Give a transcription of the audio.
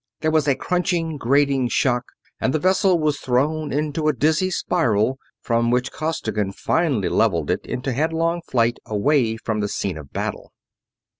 There was a crunching, grating shock and the vessel was thrown into a dizzy spiral, from which Costigan finally leveled it into headlong flight away from the scene of battle.